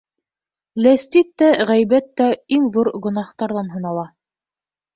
Ләстит тә, ғәйбәт тә иң ҙур гонаһтарҙан һанала.